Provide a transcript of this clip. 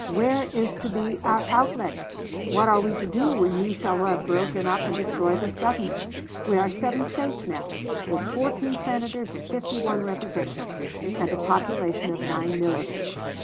Where is to be our outlet! What are we to do when you shall have broken up and destroyed this government? We are seven States now, with fourteen Senators and fifty one Representatives, and a population of nine millions.